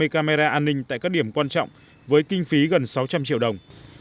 camera an ninh tại các điểm quan trọng với kinh phí gần sáu trăm linh triệu đồng